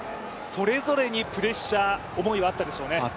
それぞれにプレッシャー・思いはあったでしょうね。